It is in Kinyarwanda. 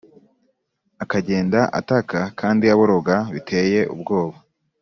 akagenda ataka kandi aboroga biteye ubwoba